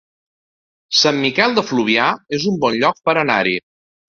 Sant Miquel de Fluvià es un bon lloc per anar-hi